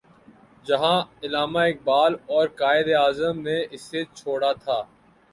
جہاں علامہ اقبال اور قائد اعظم نے اسے چھوڑا تھا۔